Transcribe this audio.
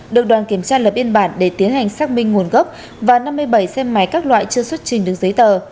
được đoàn kiểm tra lập biên bản để tiến hành xác minh nguồn gốc và năm mươi bảy xe máy các loại chưa xuất trình được giấy tờ